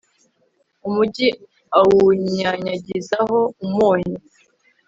umugi awunyanyagizaho umunyu